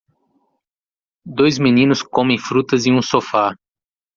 Dois meninos comem frutas em um sofá.